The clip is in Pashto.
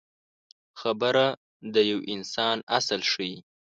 خبره د یو انسان اصل ښيي.